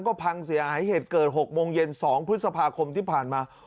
ก็พังเสียหายเหตุเกิด๖โมงเย็น๒พฤษภาคมที่ผ่านมา